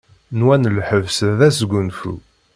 Nwan lḥebs d asgunfu.